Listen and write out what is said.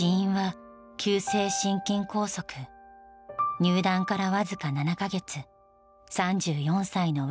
入団から僅か７か月３４歳の若さだった。